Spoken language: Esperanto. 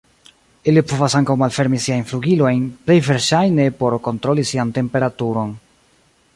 Ili povas ankaŭ malfermi siajn flugilojn, plej verŝajne por kontroli sian temperaturon.